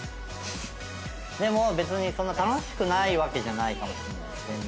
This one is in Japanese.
でも別にそんな楽しくないわけじゃないかもしんない全然。